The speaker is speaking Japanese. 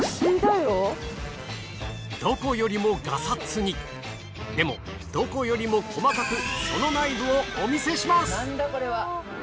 どこよりもがさつにでもどこよりも細かくその内部をお見せします。